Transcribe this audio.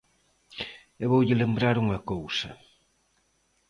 E voulle lembrar unha cousa.